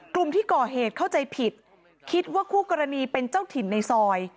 กลุ่มที่ก่อเหตุเข้าใจผิดคิดว่าคู่กรณีเป็นเจ้าถิ่นในซอย